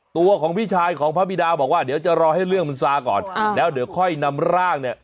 ตัวของพี่ชายของพระบิดาบอกว่าเดี๋ยวจะรอให้เรื่องมันซาก่อนอ่าแล้วเดี๋ยวค่อยนำร่างเนี่ย